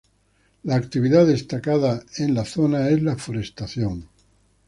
La actividad destacada en la zona es la forestación.